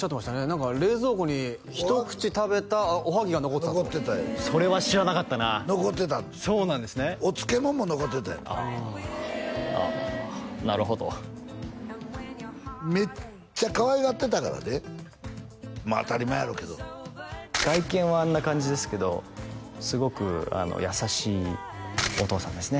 何か冷蔵庫に一口食べたおはぎが残ってたとそれは知らなかったな残ってたそうなんですねお漬物も残ってたんやってあああなるほどめっちゃかわいがってたからねまあ当たり前やろうけど外見はあんな感じですけどすごく優しいお父さんですね